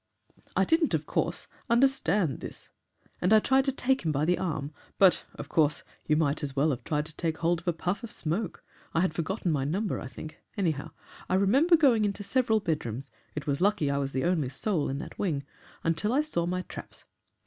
'I didn't, of course, understand this,' and I tried to take him by the arm. But, of course, you might as well have tried to take hold of a puff of smoke! I had forgotten my number, I think; anyhow, I remember going into several bedrooms it was lucky I was the only soul in that wing until I saw my traps.